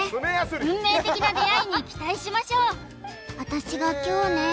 運命的な出会いに期待しましょう私が凶ね